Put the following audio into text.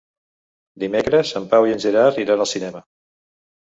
Dimecres en Pau i en Gerard iran al cinema.